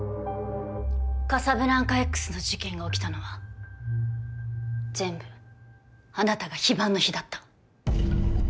カサブランカＸの事件が起きたのは全部あなたが非番の日だった。